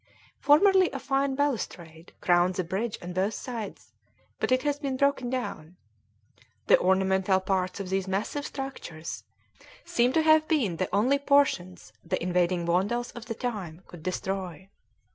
Formerly a fine balustrade crowned the bridge on both sides, but it has been broken down. The ornamental parts of these massive structures seem to have been the only portions the invading vandals of the time could destroy.